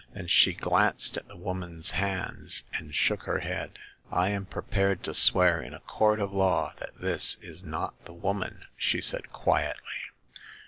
Then she glanced at the woman's hands and shook her head. I am prepared to swear in a court of law that this is not the woman," she said, quietly.